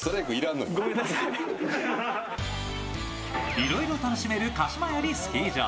いろいろ楽しめる鹿島槍スキー場。